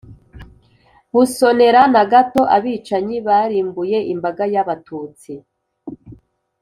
busonera na gato abicanyi barimbuye imbaga y'abatutsi